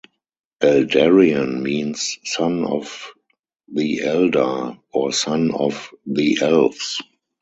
"Eldarion" means "Son of the Eldar" or "Son of the Elves".